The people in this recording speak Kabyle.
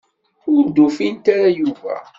Ur d-ufint ara Yuba.